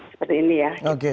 seperti ini ya